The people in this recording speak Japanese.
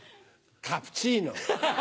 カプチーノ。